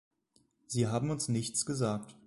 Sie haben uns nichts gesagt.